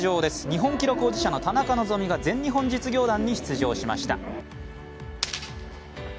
日本記録保持者の田中希実が全日本実業団に出場しました。